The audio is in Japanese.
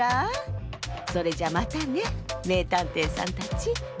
それじゃまたねめいたんていさんたち。